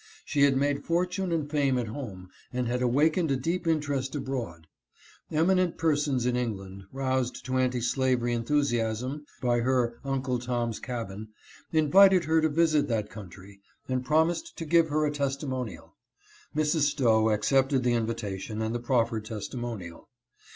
She had made fortune and fame at home, and had awakened a deep interest abroad. Eminent persons in England, roused to anti slavery enthusiasm by her " Uncle Tom's Cabin," invited her to visit that country, and prom ised to give her a testimonial. Mrs. Stowe accepted the invitation and the proffered testimonial.